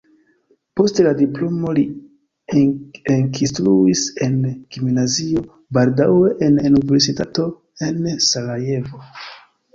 Post la diplomo li ekinstruis en gimnazio, baldaŭe en universitato en Sarajevo.